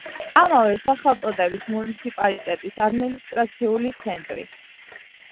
ამავე სახელწოდების მუნიციპალიტეტის ადმინისტრაციული ცენტრი.